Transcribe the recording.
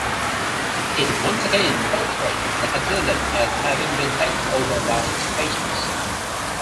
It once again portrays the asylum as having been taken over by its patients.